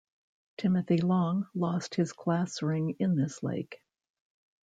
Timothy Long lost his class ring in this lake.